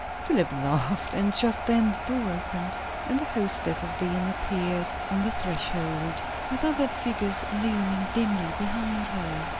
Philip laughed; and just then the door opened, and the hostess of the inn appeared on the threshhold, with other figures looming dimly behind her.